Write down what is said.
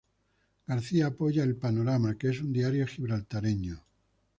Garcia apoya el "Panorama" que es un diario gibraltareño.